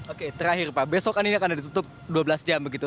oke terakhir pak besok kan ini akan ditutup dua belas jam begitu